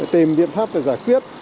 tìm biện pháp để giải quyết